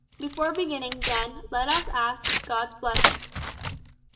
Before beginning, then, let us ask God's blessing."